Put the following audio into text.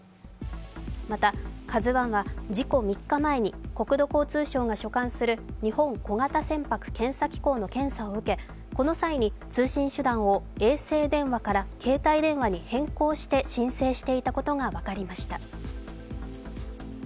また「ＫＡＺＵⅠ」は事故３日前に国土交通省が所管する日本小型船舶機構の検査を受けその際に通信手段を衛星電話から携帯電話に変更して申請していたことが分かりました。